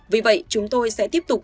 vì vậy chúng tôi sẽ tiếp tục